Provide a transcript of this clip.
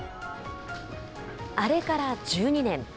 あれから１２年。